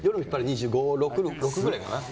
２６くらいかな。